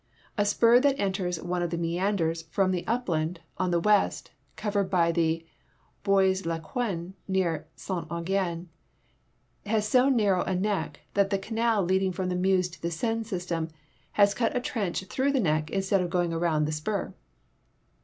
A s})ur that enters one of the meanders from the upland on the west, covered l)y the Bois la Queue near St Aignan, has so narrow a neck that the canal leading from the Meuse to the Seine sys ' tern has cut a trench through the neck instead of going around the spur.